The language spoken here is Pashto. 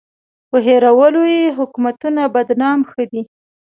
په هېرولو یې حکومتونه بدنام ښه دي.